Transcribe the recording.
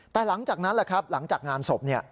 แต่หลังจากนั้นแหละครับหลังจากงานศพ